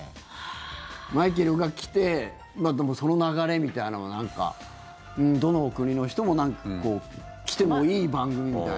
マイケルが来てその流れみたいなのがなんかどの国の人も来てもいい番組みたいな。